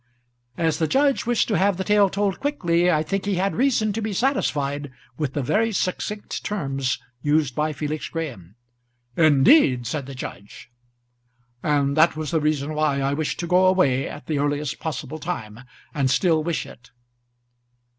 As the judge wished to have the tale told quickly, I think he had reason to be satisfied with the very succinct terms used by Felix Graham. "Indeed!" said the judge. "And that was the reason why I wished to go away at the earliest possible time and still wish it."